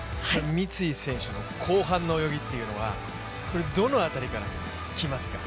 三井選手の後半の泳ぎというのはどの辺りから来ますか。